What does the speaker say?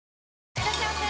いらっしゃいませ！